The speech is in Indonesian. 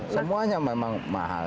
semuanya memang mahal